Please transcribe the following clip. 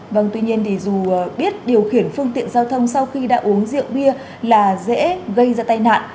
vâng tuy nhiên dù biết điều khiển phương tiện giao thông sau khi đã uống rượu bia là dễ gây ra tai nạn